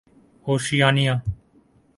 Oceania